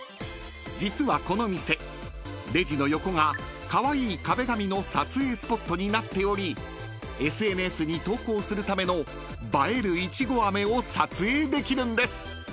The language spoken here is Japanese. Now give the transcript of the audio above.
［実はこの店レジの横がカワイイ壁紙の撮影スポットになっておりＳＮＳに投稿するための映えるいちご飴を撮影できるんです］